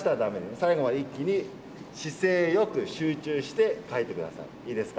最後まで一気に姿勢よく集中して書いてください、いいですか。